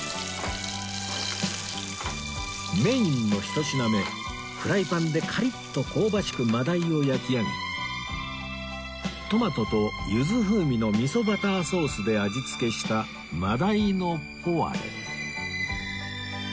メインの１品目フライパンでカリッと香ばしく真鯛を焼き上げトマトと柚子風味のみそバターソースで味付けした真鯛のポワレ